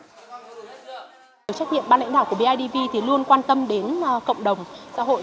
trách nhiệm ban lãnh đạo của bidv thì luôn quan tâm đến cộng đồng xã hội